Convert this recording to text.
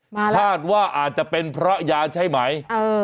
คาดว่าอาจจะเป็นเพราะยาใช่ไหม